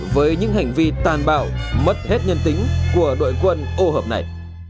với những hành vi tàn bạo mất hết nhân tính của đội quân ô hợp này